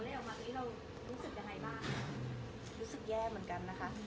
รู้สึกแย่เหมือนกันนะคะ